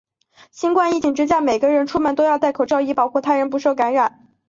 新冠疫情之下，每个人出门都要带口罩，以保护他人不受感染。